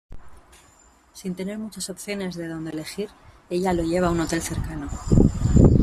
Sin tener muchas opciones de donde elegir, ella lo lleva a un hotel cercano.